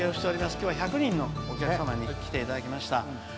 今日は１００人のお客様に来ていただきました。